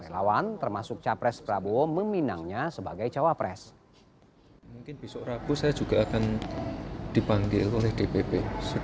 lawan termasuk capres prabowo meminangnya sebagai cawapres